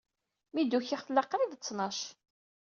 Mi d-ukiɣ, tella qrib d ttnac.